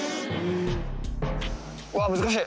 うわ難しい。